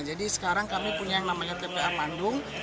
jadi sekarang kami punya yang namanya tpa mandung